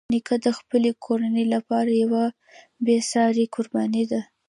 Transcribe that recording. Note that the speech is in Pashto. نیکه د خپلې کورنۍ لپاره یوه بېساري قرباني ده.